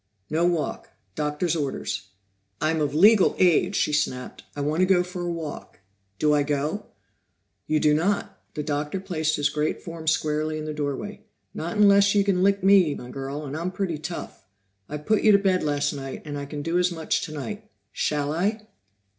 "No walk. Doctor's orders." "I'm of legal age!" she snapped. "I want to go for a walk. Do I go?" "You do not." The Doctor placed his great form squarely in the doorway. "Not unless you can lick me, my girl, and I'm pretty tough. I put you to bed last night, and I can do as much tonight. Shall I?"